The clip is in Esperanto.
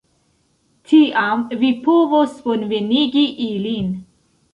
Tiam vi povos bonvenigi ilin.